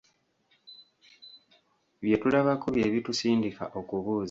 Bye tulabako bye bitusindika okubuuza.